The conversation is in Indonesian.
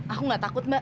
aku gak takut mbak